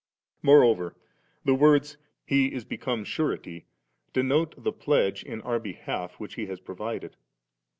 60. (9.) Moreover the words * He is become surety' denote the pledge in our behalf which He has provided.